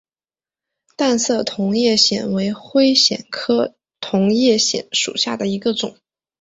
淡色同叶藓为灰藓科同叶藓属下的一个种。